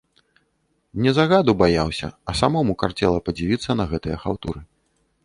Не загаду баяўся, а самому карцела падзівіцца на гэтыя хаўтуры.